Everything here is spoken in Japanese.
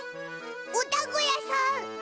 おだんごやさん。